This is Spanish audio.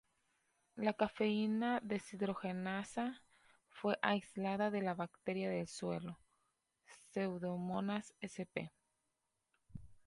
La cafeína deshidrogenasa fue aislada de la bacteria del suelo "Pseudomonas sp.